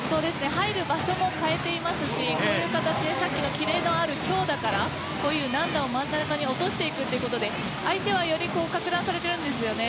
入る場所も変えていますしこういう形でさっきのキレのある強打から軟打から真ん中に落としていくという相手は撹乱されてるんですね。